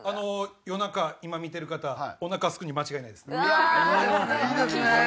夜中今見てる方おなかすくに間違いないですね。